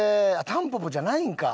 タンポポじゃないんか。